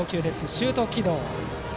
シュート軌道。